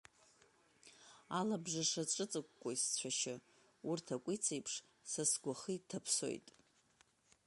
Алабжыш аҿыҵыкәкәоит сцәашьы, урҭ акәиц еиԥш са сгәахы иҭаԥсоит.